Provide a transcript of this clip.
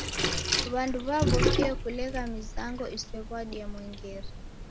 W'andu w'aw'okie kulegha mizango isew'adie mwengere.